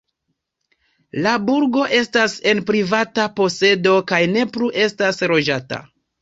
La burgo estas en privata posedo kaj ne plu estas loĝata.